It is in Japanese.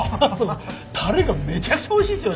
タレがめちゃくちゃおいしいですよね